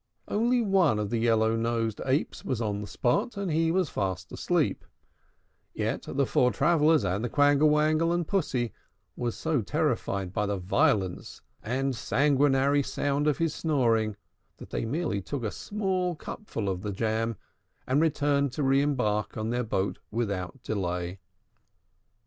Only one of the yellow nosed Apes was on the spot, and he was fast asleep; yet the four travellers and the Quangle Wangle and Pussy were so terrified by the violence and sanguinary sound of his snoring, that they merely took a small cupful of the jam, and returned to re embark in their boat without delay.